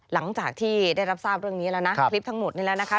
หลังจากที่ได้รับทราบเรื่องนี้แล้วนะคลิปทั้งหมดนี้แล้วนะคะ